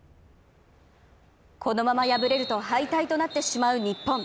このまま敗れると敗退となってしまう日本。